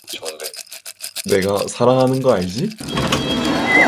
내가 사랑하는 거 알지?